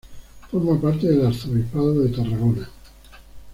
Forma parte del Arzobispado de Tarragona.